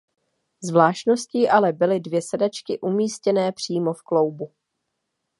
Zvláštností ale byly dvě sedačky umístěné přímo v kloubu.